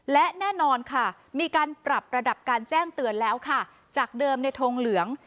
และแน่นอนค่ะมีการปรับระดับการแจ้งเตือนแล้วค่ะจากเดิมในทงเหลือง